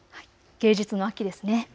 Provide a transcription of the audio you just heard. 芸術の秋ですね。